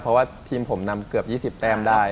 เพราะว่าทีมผมนำเกือบ๒๐แต้มได้